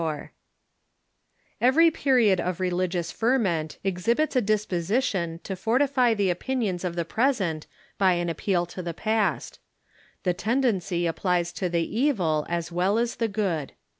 ] Every period of religious ferment exhibits a disposition to fortify the opinions of the present by an appeal to the past. The tendency applies to the evil as well as the good.